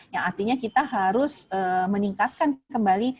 yang artinya kita harus meningkatkan kembali